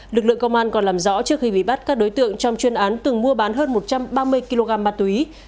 lực lượng công an còn làm rõ trước khi bị bắt các đối tượng trong chuyên án từng mua bán hơn một trăm ba mươi kg ma túy